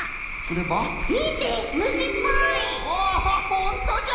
ほんとじゃ！